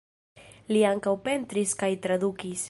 Li ankaŭ pentris kaj tradukis.